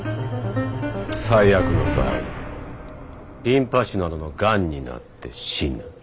最悪の場合リンパ腫などのがんになって死ぬ。